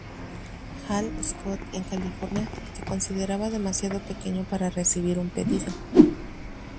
Hall-Scott en California se consideraba demasiado pequeño para recibir un pedido.